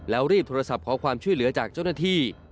แล้วรีบโทรศัพท์ขอความช่วยเหลือจากเจ้าหน้าที่